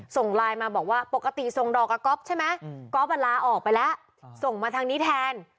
ส่งไลน์มาบอกว่าปกติส่งดอกกับก๊อฟใช่ไหมก๊อฟลาออกไปแล้วส่งมาทางนี้แทน